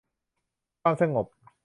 ความสงบ